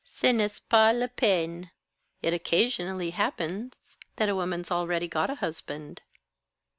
"Ce n'est pas la peine. It occasionally happens that a woman's already got a husband."